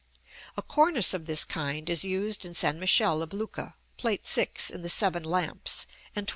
A cornice of this kind is used in St. Michele of Lucca (Plate VI. in the "Seven Lamps," and XXI.